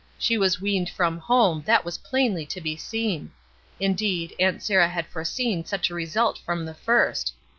She was weaned from home, that was plainly to be seen ; indeed, Aunt Sarah had foreseen such a result from the first.